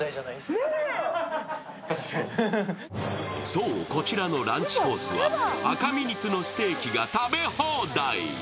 そう、こちらのランチコースは赤身肉のステーキが食べ放題。